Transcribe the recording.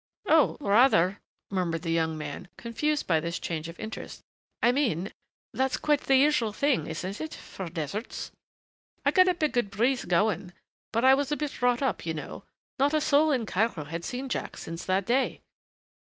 "Oh, rather," murmured the young man, confused by this change of interest. "I mean, that's quite the usual thing, isn't it, for deserts? I got up a good breeze going, for I was a bit wrought up, you know not a soul in Cairo had seen Jack since that day."